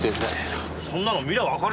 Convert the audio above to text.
そんなの見りゃわかりますよ。